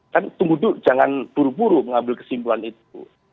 kan tunggu dulu jangan buru buru mengambil kesimpulan itu